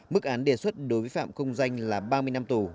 mức án đề xuất đối với phạm công danh là ba mươi năm tù